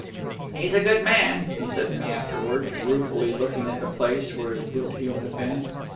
"He's a good man," he said to me afterwards, ruefully looking at the place where his boot heel had been.